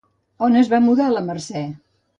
On es va mudar la Mercè?